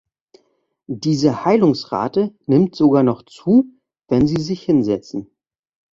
Diese Heilungsrate nimmt sogar noch zu, wenn Sie sich hinsetzen.